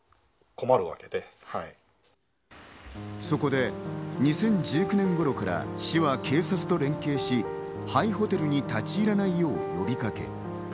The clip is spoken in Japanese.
そこで２０１９年ごろから市は警察と連携し、廃ホテルに立ち入らないよう、呼びかけ。